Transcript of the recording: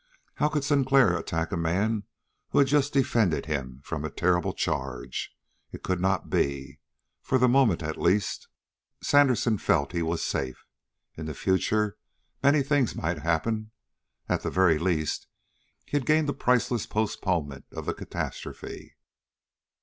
How could Sinclair attack a man who had just defended him from a terrible charge? It could not be. For the moment, at least, Sandersen felt he was safe. In the future, many things might happen. At the very least, he had gained a priceless postponement of the catastrophe.